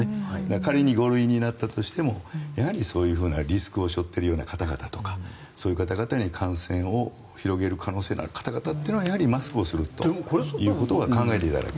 仮に５類になったとしてもやはりそういうリスクをしょってる方々とかそういう方々に感染を広げる可能性のある方々はやはりマスクをするということは考えていただくと。